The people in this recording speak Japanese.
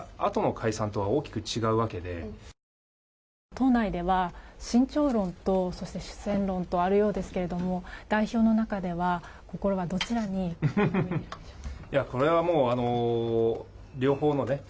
党内では慎重論とそして主戦論とあるようですけれども代表の中では心はどちらにあるんでしょうか。